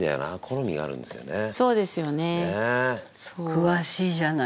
詳しいじゃない？